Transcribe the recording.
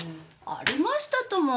ありましたとも。